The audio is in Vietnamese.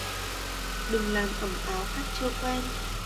Đừng làm ẩm áo khách chưa quen.